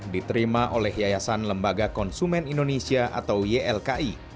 diterima oleh yayasan lembaga konsumen indonesia atau ylki